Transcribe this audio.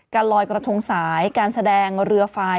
ลอยกระทงสายการแสดงเรือไฟ